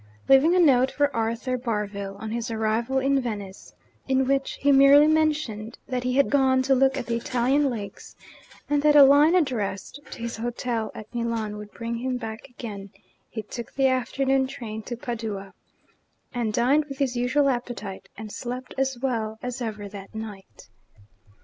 Leaving a note for Arthur Barville, on his arrival in Venice, in which he merely mentioned that he had gone to look at the Italian lakes, and that a line addressed to his hotel at Milan would bring him back again, he took the afternoon train to Padua and dined with his usual appetite, and slept as well as ever that night.